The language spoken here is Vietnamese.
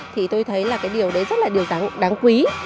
thì tôi thấy là cái điều đấy rất là điều đáng quý